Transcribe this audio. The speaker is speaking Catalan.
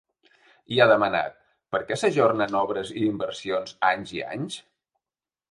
I ha demanat: Per què s’ajornen obres i inversions anys i anys?